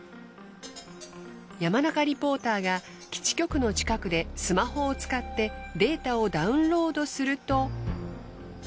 山中リポーターが基地局の近くでスマホを使ってデータをダウンロードすると。